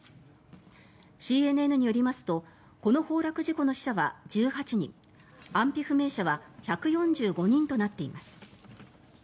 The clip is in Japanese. ＣＮＮによりますとこの崩落事故の死者は１８人安否不明者は１４５人となっています。